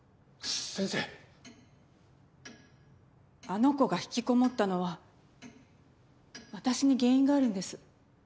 あの子が引きこもったのは私に原因があるんです。